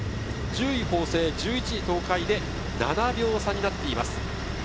１０位・法政、１１位・東海で７秒差になっています。